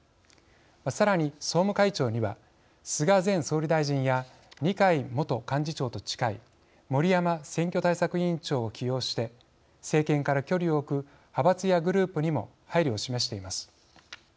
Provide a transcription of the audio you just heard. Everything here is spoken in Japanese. さらに総務会長には菅前総理大臣や二階元幹事長と近い森山選挙対策委員長を起用して政権から距離を置く派閥やグループにも配慮を示しています。